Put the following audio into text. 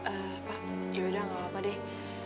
eh pak ya udah gak apa deh